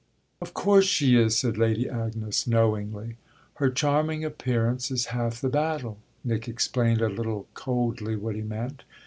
"Of course she is!" said Lady Agnes knowingly. "Her charming appearance is half the battle" Nick explained a little coldly what he meant.